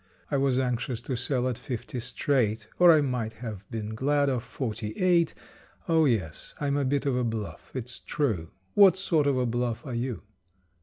I was anxious to sell at fifty straight, Or I might have been glad of forty eight. Oh, yes, I'm a bit of a bluff, it's true; What sort of a bluff are you?